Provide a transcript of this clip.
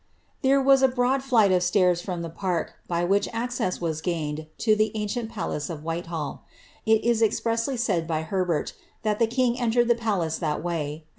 ' There was a broad flight of stairs' from the park, by which aeceM u as gained to the ancient palace of Whitehall. It is expressly said by Herbert, that the king entered the palace that way; and that he asceiKM * State Trials, toI.